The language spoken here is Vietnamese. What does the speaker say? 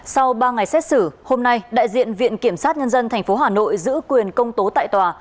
sau ba ngày xét xử hôm nay đại diện viện kiểm sát nhân dân tp hà nội giữ quyền công tố tại tòa